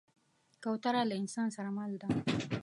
کوتره له انسان سره مل ده.